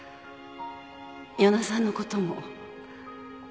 与那さんのことも。